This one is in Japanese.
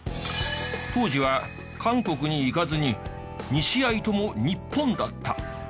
当時は韓国に行かずに２試合とも日本だった。